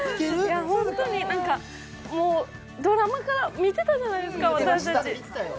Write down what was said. ホントにドラマで見てたじゃないですか、私たち。